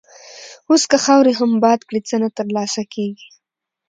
اوس که خاورې هم باد کړې، څه نه تر لاسه کېږي.